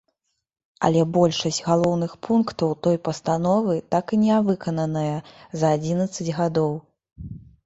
Але большасць галоўных пунктаў той пастановы так і нявыкананая за адзінаццаць гадоў.